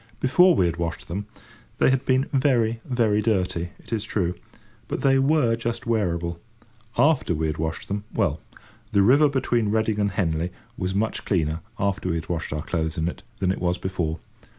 Before we had washed them, they had been very, very dirty, it is true; but they were just wearable. After we had washed them—well, the river between Reading and Henley was much cleaner, after we had washed our clothes in it, than it was before.